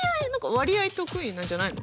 わりあい得意なんじゃないの？